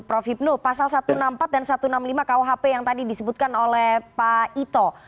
prof hipnu pasal satu ratus enam puluh empat dan satu ratus enam puluh lima kuhp yang tadi disebutkan oleh pak ito